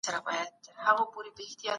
عبدالقهار مستفيض